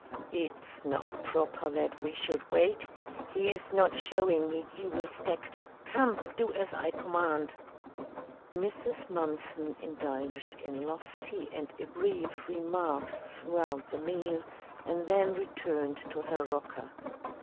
"It's not proper that we should wait. He is not showing me due respect. Come, do as I command." Mrs. Mumpson indulged in lofty and aggrieved remarks throughout the meal and then returned to her rocker.